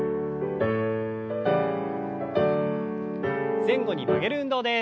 前後に曲げる運動です。